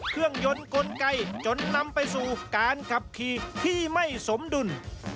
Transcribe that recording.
เครื่องยนต์กลไกจนนำไปสู่การขับขี่ที่ไม่สมดุล